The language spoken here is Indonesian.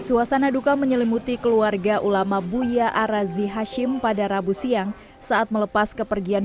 suasana duka menyelimuti keluarga ulama buya arazi hashim pada rabu siang saat melepas kepergian